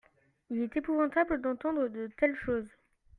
il est épouvantable d'entendre de telles choses.